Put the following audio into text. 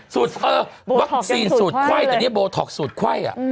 สูตรเออวัคซีนสูตรไขว่แต่นี่โบท็อกสูตรไขว่อ่ะ